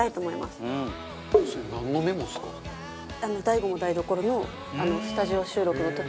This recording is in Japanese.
『ＤＡＩＧＯも台所』のスタジオ収録の時の。